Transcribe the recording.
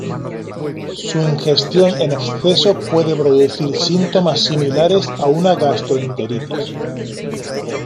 Su ingestión en exceso puede producir síntomas similares a una gastroenteritis.